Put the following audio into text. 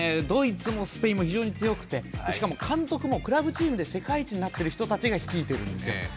ドイツもスペインも非常に強くて監督もクラブチームで１位になっている人たちが率いているんですよ。